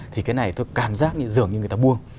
thì cái này tôi cảm giác như dường như người ta buông